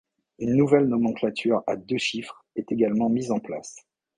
Une nouvelle nomenclature à deux chiffres est également mise en place.